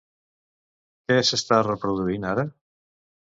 Què s'està reproduint ara?